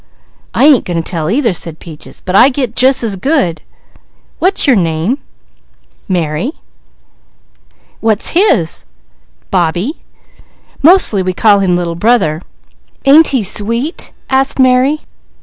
"I ain't going to tell either," said Peaches, "but I get jus' as good! What's your name?" "Mary." "What's his?" "Bobbie. Mostly we call him little brother. Ain't he sweet?" asked Mary.